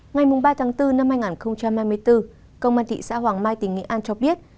ngày ba tháng bốn năm hai nghìn hai mươi bốn công an thị xã hoàng mai tỉnh nghệ an cho biết